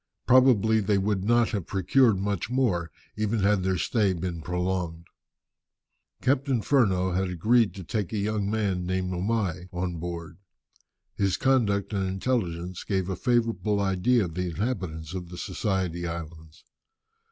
Probably they would not have procured much more, even had their stay been prolonged. Captain Furneaux had agreed to take a young man named Omai on board. His conduct and intelligence gave a favourable idea of the inhabitants of the Society Islands.